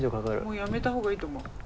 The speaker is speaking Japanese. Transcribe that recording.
やめた方がいいと思う？